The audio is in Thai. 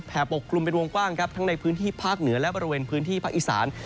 ปกกลุ่มเป็นวงกว้างครับทั้งในพื้นที่ภาคเหนือและบริเวณพื้นที่ภาคอีสาน